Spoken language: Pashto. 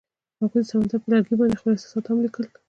هغوی د سمندر پر لرګي باندې خپل احساسات هم لیکل.